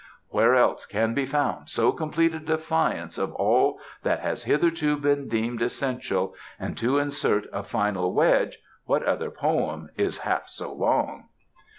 Where else can be found so complete a defiance of all that has hitherto been deemed essential, and, to insert a final wedge, what other poem is half so long?"